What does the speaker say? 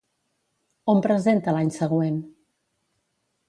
On presenta l'any següent?